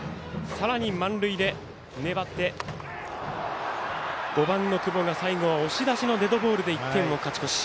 さらに満塁で粘って５番の久保が最後は押し出しのデッドボールで１点を勝ち越し。